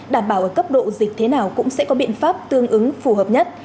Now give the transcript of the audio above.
đảm bảo ở cấp độ dịch thế nào cũng sẽ có biện pháp tương ứng phù hợp nhất